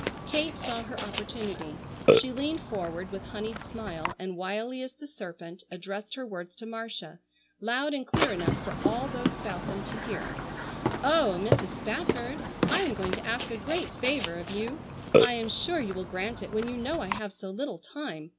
Kate saw her opportunity. She leaned forward with honeyed smile, and wily as the serpent addressed her words to Marcia, loud and clear enough for all those about them to hear. "Oh, Mrs. Spafford! I am going to ask a great favor of you. I am sure you will grant it when you know I have so little time.